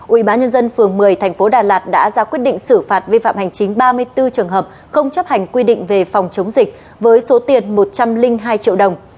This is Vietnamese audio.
ubnd phường một mươi tp đà lạt đã ra quyết định xử phạt vi phạm hành chính ba mươi bốn trường hợp không chấp hành quy định về phòng chống dịch với số tiền một trăm linh hai triệu đồng